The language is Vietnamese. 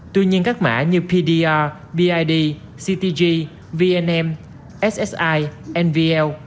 tuy nhiên các mã như pdr bid ctg vnm ssi nvl